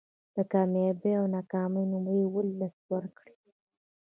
د کامیابۍ او ناکامۍ نمرې ولس ورکړي